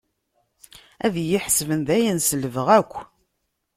Ad iyi-ḥesben dayen selbeɣ akk.